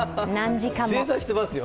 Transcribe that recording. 正座してますよ。